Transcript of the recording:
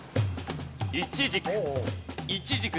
イチジク。